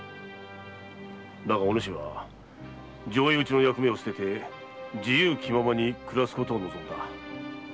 だがお主は上意討ちの役目を捨て自由気ままな暮らしを望んだ。